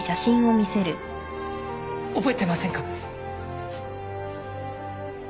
覚えてませんか？